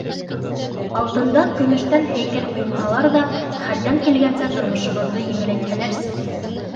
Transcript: Алтындан-көмөштән һәйкәл ҡоймаһалар ҙа, хәлдән килгәнсә тормошобоҙҙо еңеләйтһәләрсе.